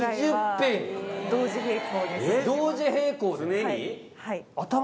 同時並行で？